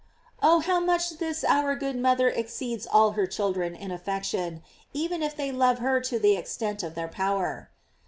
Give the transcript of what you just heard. Oh, how much this our good mother exceeds all her children in affection, even if they love her to the extent of their power!